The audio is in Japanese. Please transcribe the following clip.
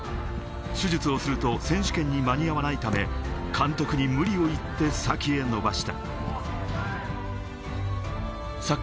手術をすると選手権に間に合わないため、監督に無理を言って先を延ばした。